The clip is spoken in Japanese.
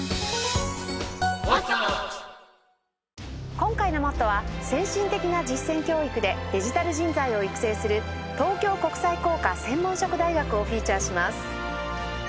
今回の『ＭＯＴＴＯ！！』は先進的な実践教育でデジタル人材を育成する東京国際工科専門職大学をフィーチャーします。